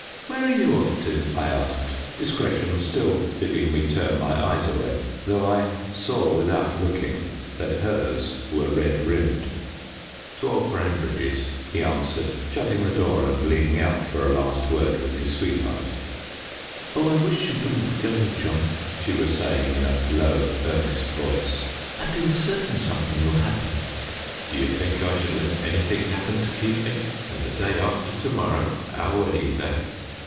"Where are you off to?" I asked, discretion still bidding me turn my eyes away, though I saw, without looking, that hers were red rimmed. "To old Branbridge's," he answered, shutting the door and leaning out for a last word with his sweetheart. "Oh, I wish you wouldn't go, John," she was saying in a low, earnest voice. "I feel certain something will happen." "Do you think I should let anything happen to keep me, and the day after to morrow our wedding day?"